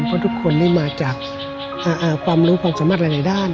เพราะทุกคนได้มาจากความรู้ความสามารถหลายด้าน